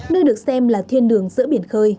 nơi được xem là thiên đường giữa biển khơi